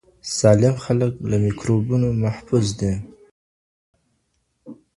سالم خلک له میکروبونو محفوظ دي.